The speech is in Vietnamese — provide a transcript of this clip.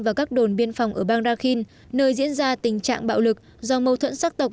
và các đồn biên phòng ở bang rakhin nơi diễn ra tình trạng bạo lực do mâu thuẫn sắc tộc